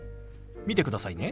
見てくださいね。